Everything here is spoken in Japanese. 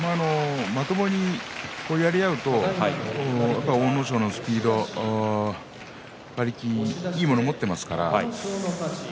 まともにやり合うと阿武咲のスピードや馬力がいいものを持っています。